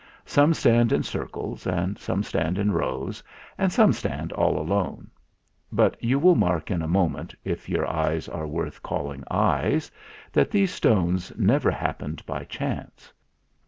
Some stand in cir cles, and some stand in rows, and some stand all alone; but you will mark in a moment, if your eyes are worth calling eyes, that these stones never happened by chance.